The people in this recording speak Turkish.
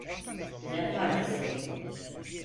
Ne partisi?